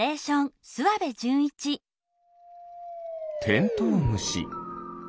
テントウムシ。